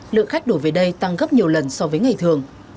lượng khách đổ về đây tăng gấp nhiều lần so với ngày thường